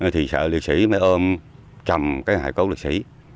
thì sợ liệt sĩ mới ôm trầm cái hài cốt liệt sĩ